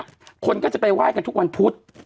คนก็จะไปไห้กันทุกวันพุธ